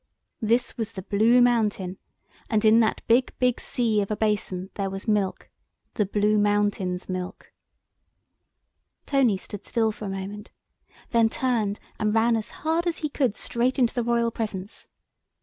This was the "Blue Mountain," and in that big big sea of a basin there was milk—the Blue Mountain's milk. Tony stood still for a moment, then turned and ran as hard as he could straight into the Royal presence.